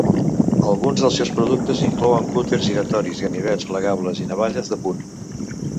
Alguns dels seus productes inclouen cúters giratoris, ganivets plegables i navalles de punt.